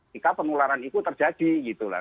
jika penularan itu terjadi gitu lah